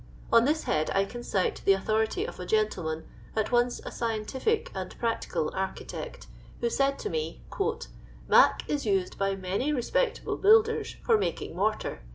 On this head I can cite the authority of a gentleman, at once a scientific and practical architect, who said to me, —"' Mac' is used by many respectable builders for making mortar.